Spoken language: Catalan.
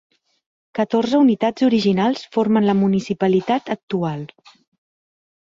Catorze unitats originals formen la municipalitat actual.